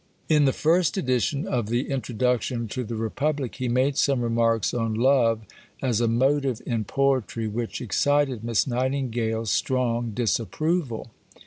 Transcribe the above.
In the first edition of the introduction to the Republic he made some remarks on love as a motive in poetry which excited Miss Nightingale's strong disapproval.